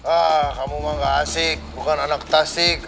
ah kamu emang gak asik bukan anak tasik